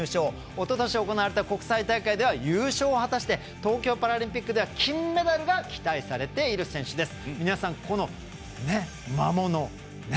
おととし行われた国際大会では優勝を果たして東京パラリンピックでは金メダルが期待されている選手です。